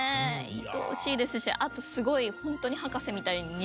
いとおしいですしあとすごいほんとにはかせみたいにね